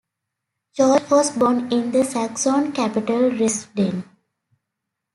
George was born in the Saxon capital Dresden.